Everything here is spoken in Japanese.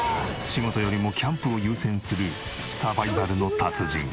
仕事よりもキャンプを優先するサバイバルの達人。